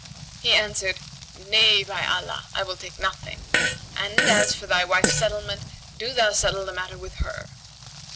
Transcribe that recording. He answered, "Nay, by Allah, I will take nothing; and, as for thy wife's settlement, do thou settle the matter with her."